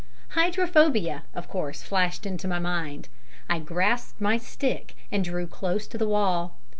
Hydrophobia, of course, flashed into my mind. I grasped my stick and drew close to the wall.